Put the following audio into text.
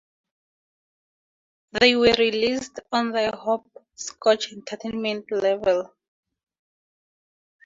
They were released on the Hopscotch Entertainment label.